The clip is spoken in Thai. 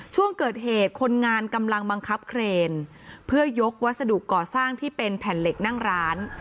ช่วงเกิดเหตุคนงานกำลังบังคับเครนเพื่อยกวัสดุก่อสร้างที่เป็นแผ่นเหล็กนั่งร้าน